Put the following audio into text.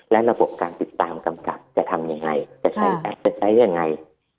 และระบบการติดตามกำกับจะทำยังไงจะใช้ยังไง